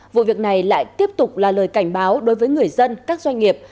vụ việc này lại tiếp tục là lời cảnh báo đối với người dân các doanh nghiệp